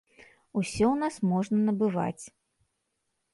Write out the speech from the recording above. Усё ў нас можна набываць.